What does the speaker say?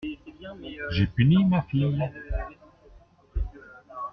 J'ai puni ma fille.